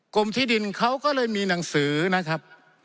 กรมที่ดินเขาก็เลยมีหนังสือนะครับ